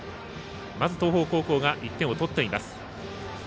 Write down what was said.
まず、東邦高校が１点を取っています。